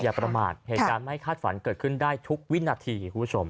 อย่าประมาทเหตุการณ์ไม่ให้คาดฝันเกิดขึ้นได้ทุกวินาที